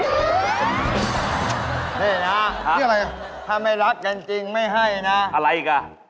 นี่นะนี่อะไรน่ะถ้าไม่รับจริงไม่ให้นะอะไรอีกอ่ะ